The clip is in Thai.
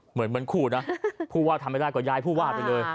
เหมือนคู่นะผู้ว่าทำไม่ได้ก็ย้ายผู้ว่าไปเลย